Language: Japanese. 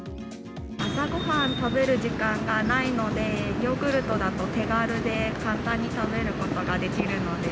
朝ごはん食べる時間がないので、ヨーグルトだと手軽で、簡単に食べることができるので。